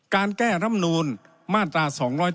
การแก้รำนูลมาตรา๒๗